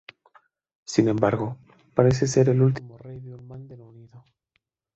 Sin embargo, parece ser el último rey de un Manden unido.